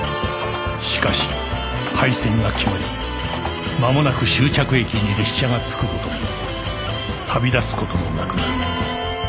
しかし廃線が決まりまもなく終着駅に列車が着く事も旅立つ事もなくなる